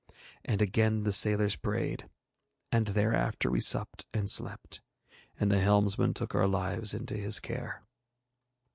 And again the sailors prayed, and thereafter we supped and slept, and the helmsman took our lives into his care.